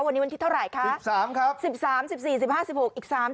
วันนี้วันที่เท่าไหร่คะที่๓ครับ